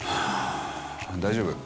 大丈夫。